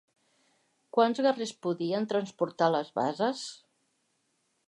Quants guerrers podien transportar les basses?